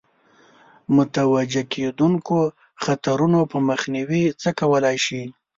متوجه کېدونکو خطرونو په مخنیوي څه کولای شي.